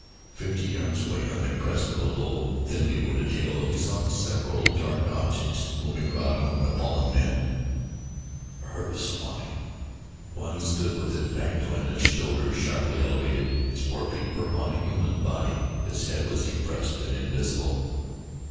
Fifty yards away, on the crest of a low, thinly wooded hill, he saw several dark objects moving about among the fallen men a herd of swine. One stood with its back to him, its shoulders sharply elevated. Its forefeet were upon a human body, its head was depressed and invisible.